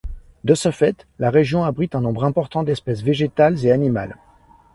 De ce fait, la région abrite un nombre important d'espèces végétales et animales.